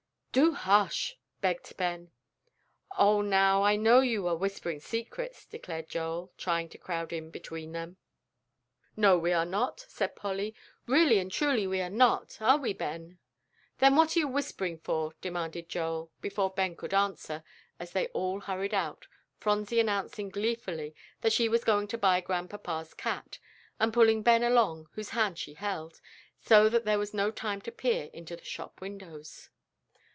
"Do hush!" begged Ben. "Oh, now, I know you are whispering secrets," declared Joel, trying to crowd in between them. "No, we are not," said Polly, "really and truly we are not; are we, Ben?" "Then what are you whispering for?" demanded Joel, before Ben could answer, as they all hurried out, Phronsie announcing gleefully that she was going to buy Grandpapa's cat, and pulling Ben along, whose hand she held, so that there was no time to peer into the shop windows.